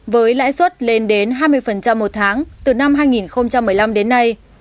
với lãi suất lên đến hai mươi một tháng từ năm hai nghìn một mươi năm đến nay